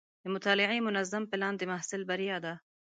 د مطالعې منظم پلان د محصل بریا ده.